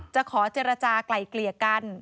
จะขอเจรจากลายเกลี่ยกัน